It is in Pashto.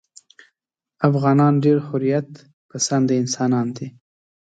افغانان ډېر حریت پسنده انسانان دي.